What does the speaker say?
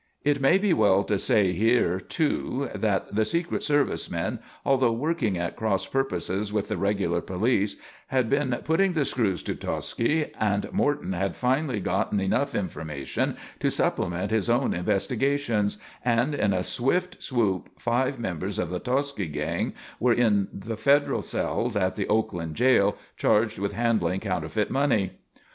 It may be well to say here, too, that the secret service men, although working at cross purposes with the regular police, had been putting the screws to Tosci and Morton had finally gotten enough information to supplement his own investigations, and in a swift swoop five members of the Tosci gang were in the federal cells at the Oakland jail charged with handling counterfeit money.